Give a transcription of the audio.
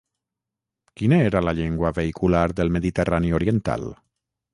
Quina era la llengua vehicular del Mediterrani oriental?